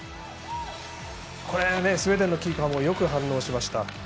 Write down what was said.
スウェーデンのキーパーもよく反応しました。